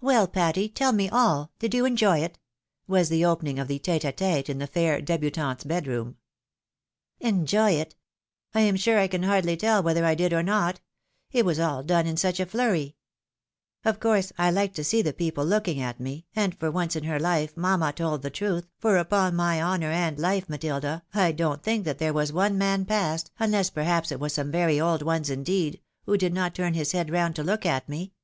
"Well, Patty! tell me all. Did you enjoy it?" was the opening of the tete a tete in the fair debutante's bed room. " Enjoy it ? I am sure I can hardly teU whether I did or not. It was all done in such a flurry. Of course I liked to see the people looking at me, and for once in her life mamma told the truth, for upon my honour and life, Matilda, I don't think that there was one man passed, unless perhaps it was some very old ones indeed, who did not turn his head round to look at me.